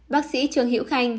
bác sĩ trương hiễu khanh